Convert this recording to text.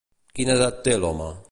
Quina edat té l'home?